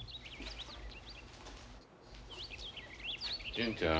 純ちゃん。